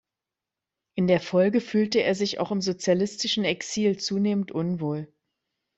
In der Folge fühlte er sich auch im sozialistischen Exil zunehmend unwohl.